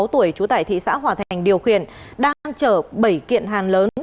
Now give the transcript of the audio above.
bốn mươi sáu tuổi chú tải thị xã hòa thành điều khiển đang chở bảy kiện hàn lớn